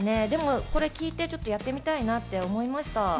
でもこれを聞いて、ちょっとやってみたいなと思いました。